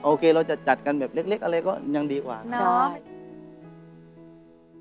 โอเคเราจะจัดกันแบบเล็กอะไรก็ยังดีกว่าครับ